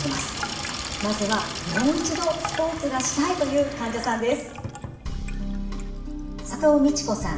まずはもう一度スポーツがしたいという患者さんです。